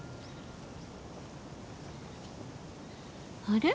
あれ？